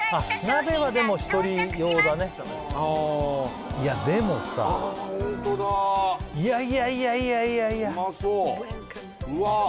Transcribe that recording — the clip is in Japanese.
鍋はでも１人用だねでもさホントだいやいやいやいやいやいやうまそううわ